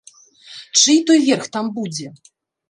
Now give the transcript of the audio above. Чый той верх там будзе?